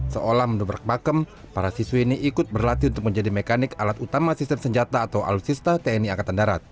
seolah mendobrak pakem para siswi ini ikut berlatih untuk menjadi mekanik alat utama sistem senjata atau alutsista tni angkatan darat